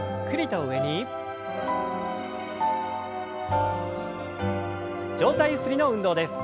上体ゆすりの運動です。